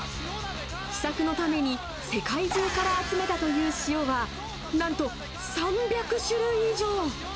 試作のために世界中から集めたという塩は、なんと３００種類以上。